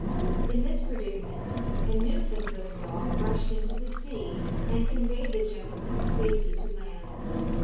In this predicament, a Newfoundland dog rushed into the sea and conveyed the gentleman in safety to land.